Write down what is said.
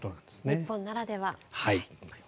日本ならでは。